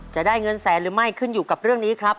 จะได้เงินแสนหรือไม่ขึ้นอยู่กับเรื่องนี้ครับ